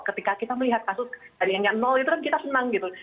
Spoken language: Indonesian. ketika kita melihat kasus tadi hanya nol itu kan kita senang gitu